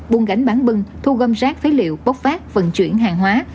buôn gánh bán bưng thu gom rác phế liệu bốc phát vận chuyển hàng hóa